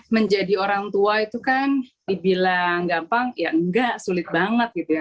menjadi orang tua itu kan dibilang gampang ya enggak sulit banget gitu ya